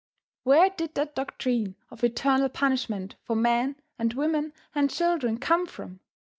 Where did that doctrine of eternal punishment for men and women and children come from?